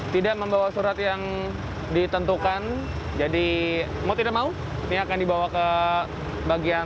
tidak membawa surat yang ditentukan jadi mau tidak mau ini akan dibawa ke bagian